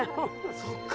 そっか。